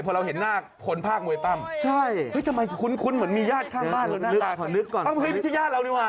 เพราะเราเห็นหน้าคนภาคมวยปร่ำคุณเหมือนมีญาติช่างบ้านลงหน้าตาขึ้นมันเคยมีชื่อญาติเราดีกว่า